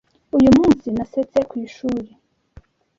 Uyu munsi nasetse ku ishuri.